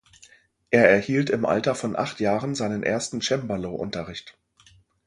Er erhielt im Alter von acht Jahren seinen ersten Cembalo-Unterricht.